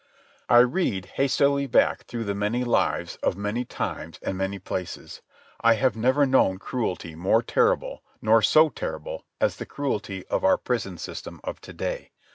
I read hastily back through the many lives of many times and many places. I have never known cruelty more terrible, nor so terrible, as the cruelty of our prison system of to day.